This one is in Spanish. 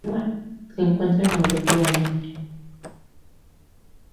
Se encuentra en Europa y Asia.